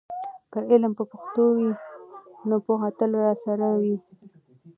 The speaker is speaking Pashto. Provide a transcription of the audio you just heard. که علم په پښتو وي، نو پوهه تل راسره وي.